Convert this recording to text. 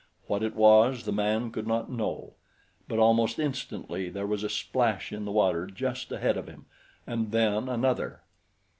What it was, the man could not know; but almost instantly there was a splash in the water just ahead of him and then another.